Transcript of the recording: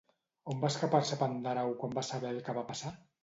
On va escapar-se Pandàreu quan va saber el que va passar?